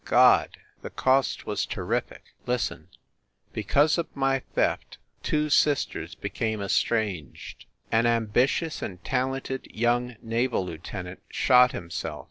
God! The cost was terrific ! Listen : Because of my theft two sisters became estranged. An ambitious and talented young naval lieutenant shot himself.